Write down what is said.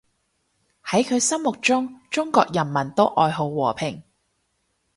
喺佢心目中，中國人民都愛好和平